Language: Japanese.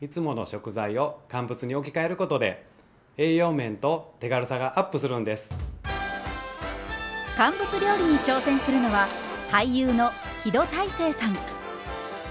肉や魚など乾物料理に挑戦するのは俳優の木戸大聖さん。